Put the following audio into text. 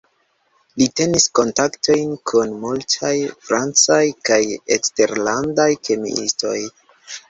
Li tenis kontaktojn kun multaj francaj kaj eksterlandaj kemiistoj.